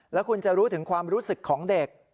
แล้วคุณจะรู้ถึงความรู้สึกของเด็ก